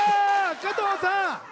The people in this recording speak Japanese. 加藤さん！